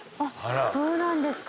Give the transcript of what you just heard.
そうなんですか。